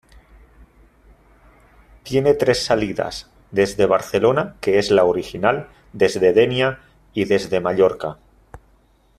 Tiene tres salidas: desde Barcelona, que es la original; desde Denia; y desde Mallorca.